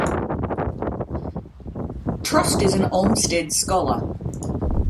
Trost is an Olmsted Scholar.